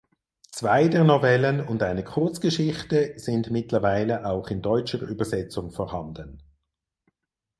Zwei der Novellen und eine Kurzgeschichte sind mittlerweile auch in deutscher Übersetzung vorhanden.